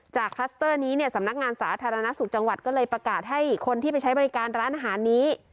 คลัสเตอร์นี้เนี่ยสำนักงานสาธารณสุขจังหวัดก็เลยประกาศให้คนที่ไปใช้บริการร้านอาหารนี้